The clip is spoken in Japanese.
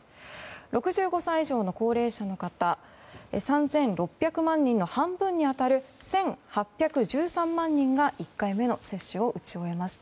６５歳以上の高齢者の方は３６００万人の半分に当たる１８１３万人が１回目の接種を打ち終えました。